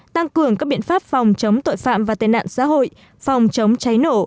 tăng cường các biện pháp phòng chống tội phạm và tên nạn xã hội phòng chống cháy nổ